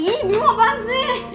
ih bimbing apaan sih